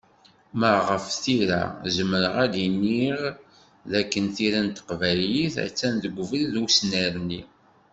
Ma ɣef tira, zemreɣ ad d-iniɣ d akken tira n teqbaylit, a-tt-an deg ubrid usnerni.